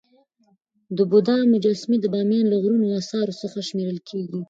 د بودا مجسمي د بامیان له لرغونو اثارو څخه شمېرل کيږي.